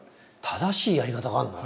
正しいやり方があるの？